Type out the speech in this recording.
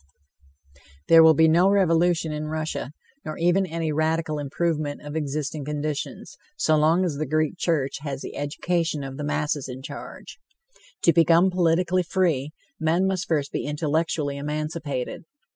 There will be no revolution in Russia, nor even any radical improvement of existing conditions, so long as the Greek Church has the education of the masses in charge. To become politically free, men must first be intellectually emancipated.